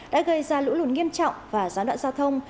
đã gây ra lũ lùn nghiêm trọng và gian đoạn giao thông